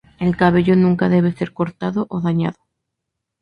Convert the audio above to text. El cabello nunca debe ser cortado o dañado.